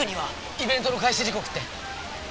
イベントの開始時刻って？